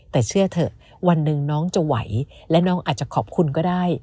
แต่เชื่อเถอะวันหนึ่งน้องจะไหวและน้องอาจจะขอบคุณก็ได้